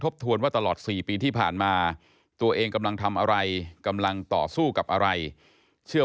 ทวนว่าตลอด๔ปีที่ผ่านมาตัวเองกำลังทำอะไรกำลังต่อสู้กับอะไรเชื่อ